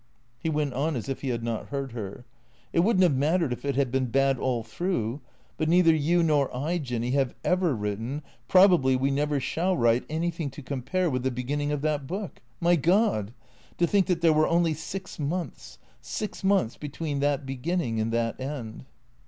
He went on as if he had not heard her. " It would n't have mattered if it had been bad all through. But neither you nor I, Jinny, have ever written, probably we never shall write, any thing to compare with the beginning of that book. My God ! To think that there were only six months — six months — be tween that beginning and that end."